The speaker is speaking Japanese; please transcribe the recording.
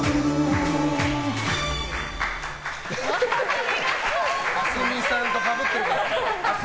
ありがとうございます！